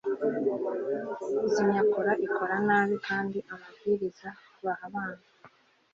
zimyakura ikora nabi kandi amabwiriza baha abana